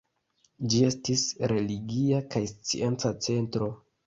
Ĝi estis religia kaj scienca centro.